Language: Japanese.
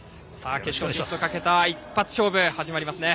決勝進出をかけた一発勝負が始まりますね。